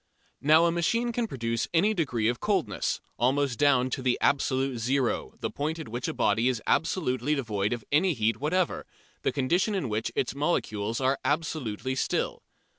Now a machine can produce any degree of coldness, almost down to the "absolute zero," the point at which a body is absolutely devoid of any heat whatever, the condition in which its molecules are absolutely still.